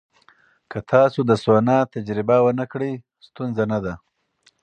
که تاسو د سونا تجربه ونه کړئ، ستونزه نه ده.